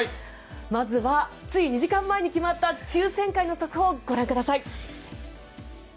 まずは、つい２時間前に決まった抽選会の速報をご覧ください。